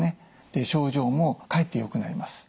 で症状もかえってよくなります。